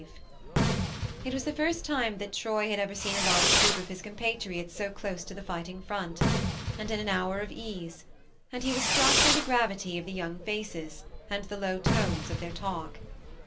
THE MARNE 99 It was the first time that Troy had ever seen a large group of his com patriots so close to the fighting front, and in an hour of ease, and he was struck by the gravity of the young faces, and the low tones of their talk.